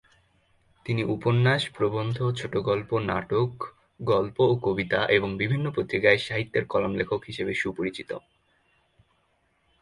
তিনি উপন্যাস, প্রবন্ধ, ছোট গল্প, নাটক, গল্প ও কবিতা এবং বিভিন্ন পত্রিকায় সাহিত্যের কলাম লেখক হিসাবে সুপরিচিত।